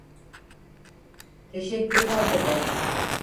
Teşekkürler Peder.